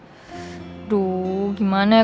aduh gimana ya